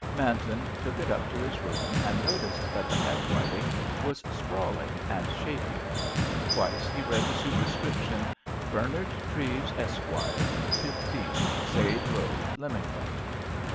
Manton took it up to his room, and noticed that the handwriting was sprawling and shaky. Twice he read the superscription, "Bernard Treves, Esq., 15, Sade Road, Lymington."